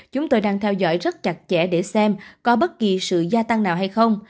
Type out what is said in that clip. chúng tôi đang theo dõi rất chặt chẽ để xem có bất kỳ sự gia tăng nào hay không